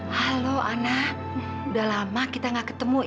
halo ana udah lama kita gak ketemu